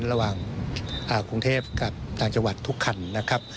ระหว่างกรุงเทพกับต่างจังหวัดทุกคันนะครับ